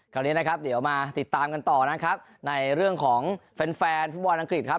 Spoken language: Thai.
คราวนี้นะครับเดี๋ยวมาติดตามกันต่อนะครับในเรื่องของแฟนแฟนฟุตบอลอังกฤษครับ